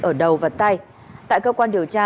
ở đầu và tay tại cơ quan điều tra